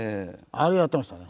あれやってましたね。